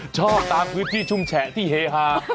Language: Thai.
ชอบตามพฤทธิ์ชุ่งแฉะที่เฮฮา